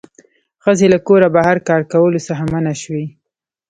ښځې له کوره بهر کار کولو څخه منع شوې